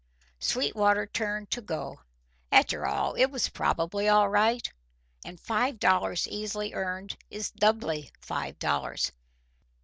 Sweetwater turned to go. After all it was probably all right, and five dollars easily earned is doubly five dollars.